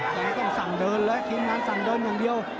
ตอนนี้ต้องสั่งเดินเลยทีมงานสั่งเดินอย่างเดียว